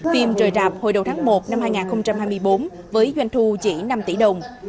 phim trời rạp hồi đầu tháng một năm hai nghìn hai mươi bốn với doanh thu chỉ năm tỷ đồng